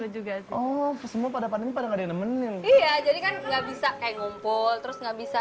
juga oh semua pada pandemi pada enggak ada menin iya jadi kan nggak bisa ngumpul terus nggak bisa